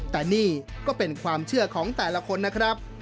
แต่นี่ก็เป็นความเชื่อของแต่ละคนนะครับ